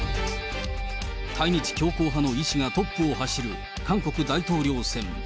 対日強硬派のイ氏がトップを走る韓国大統領選。